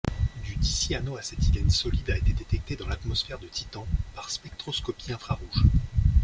Du dicyanoacétylène solide a été détecté dans l'atmosphère de Titan par spectroscopie infrarouge.